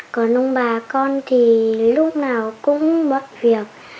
còn ông bà con thì lúc nào cũng mất việc